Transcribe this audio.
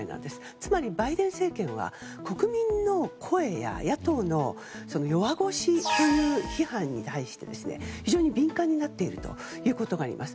つまりバイデン政権は国民の声や野党からの弱腰という批判に対して非常に敏感になっているということがあります。